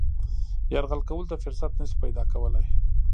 یرغل کولو ته فرصت نه شي پیدا کولای.